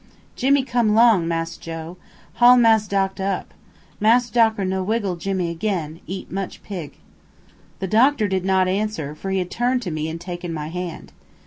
"Jimmy come 'long Mass Joe. Haul Mass doctor up. Mass doctor no wiggle Jimmy 'gain, eat much pig." The doctor did not answer, for he had turned to me and taken my hand.